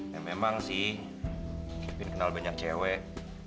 ya memang sih mungkin kenal banyak cewek